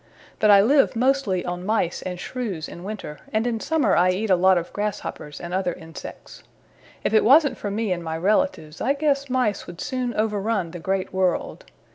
But I live mostly on Mice and Shrews in winter and in summer I eat a lot of grasshoppers and other insects. If it wasn't for me and my relatives I guess Mice would soon overrun the Great World.